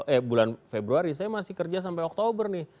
eh bulan februari saya masih kerja sampai oktober nih